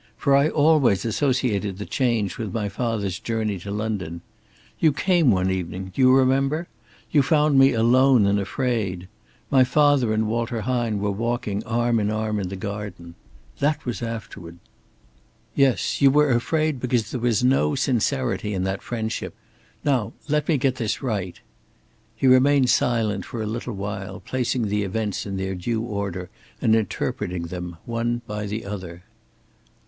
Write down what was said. For I always associated the change with my father's journey to London. You came one evening do you remember? You found me alone and afraid. My father and Walter Hine were walking arm in arm in the garden. That was afterward." "Yes, you were afraid because there was no sincerity in that friendship. Now let me get this right!" He remained silent for a little while, placing the events in their due order and interpreting them, one by the other.